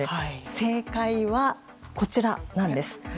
正解はこちらなんです。